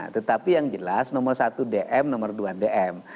tetapi yang jelas nomor satu dm nomor dua dm